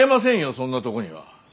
そんなとこには。